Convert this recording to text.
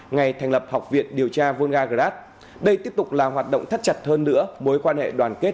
ngày thành lập học viện điều tra volga grab đây tiếp tục là hoạt động thắt chặt hơn nữa mối quan hệ đoàn kết